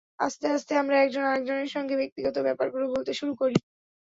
আস্তে আস্তে আমরা একজন আরেকজনের সঙ্গে ব্যক্তিগত ব্যাপারগুলো বলতে শুরু করি।